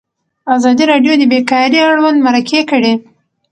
ازادي راډیو د بیکاري اړوند مرکې کړي.